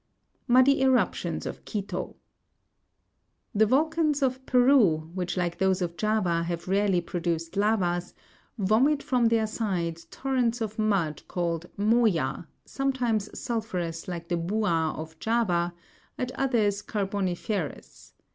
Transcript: Muddy eruptions of Quito. The volcans of Peru, which like those of Java have rarely produced lavas, vomit from their sides torrents of mud called rwoya, sometimes sulphurous like the luah of Java, at others carboni'ferous.